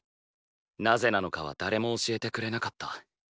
なぜなのかは誰も教えてくれなかった。